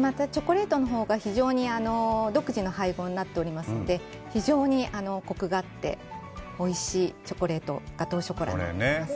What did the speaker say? また、チョコレートのほうが独自の配合になっておりますので非常にコクがあっておいしいチョコレートガトーショコラです。